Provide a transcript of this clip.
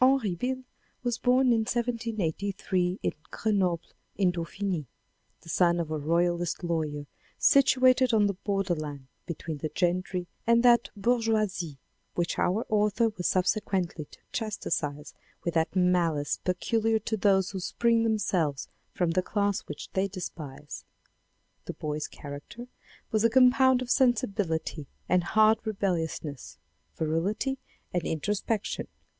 Henri Beyle was born in 1783 in Grenoble in Dauphiny, the son of a royalist lawyer, situated on the borderland between the gentry and that bourgeoisie which our author was subsequently to chastise with that malice peculiar to those who spring themselves from the class which they despise. The boy's character was a compound of sensibility and hard rebelliousness, virility and introspection.